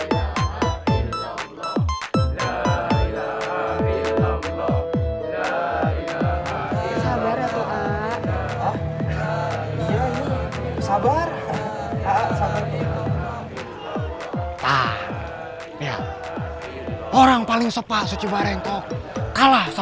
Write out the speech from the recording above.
nah maksudnya lado biva orang bey ventur dijahat kita ingin mendapatkan